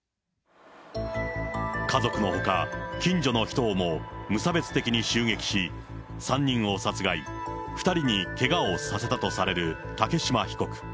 家族のほか、近所の人をも無差別的に襲撃し、３人を殺害、２人にけがをさせたとされる竹島被告。